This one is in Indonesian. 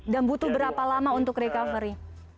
dan butuh berapa lama untuk recovery